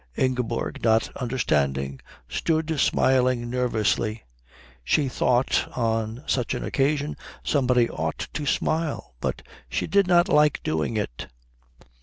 Ingeborg, not understanding, stood smiling nervously. She thought on such an occasion somebody ought to smile, but she did not like doing it.